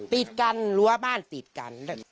ติดกันรั้วบ้านติดกัน